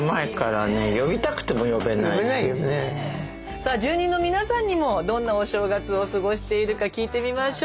さあ住人の皆さんにもどんなお正月を過ごしているか聞いてみましょう。